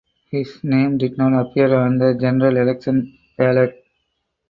His name did not appear on the general election ballot.